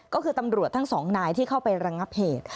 ก็คือตำรวจทั้งสองนายที่เข้าไประงับเหตุ